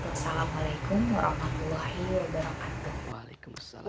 wassalamualaikum warahmatullahi wabarakatuh